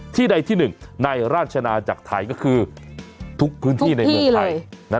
ใดที่หนึ่งในราชนาจักรไทยก็คือทุกพื้นที่ในเมืองไทย